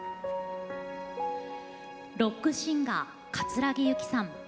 ロックシンガー葛城ユキさん。